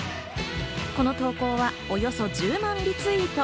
この投稿はおよそ１０万リツイート。